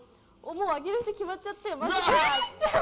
もうあげる人決まっちゃってるって。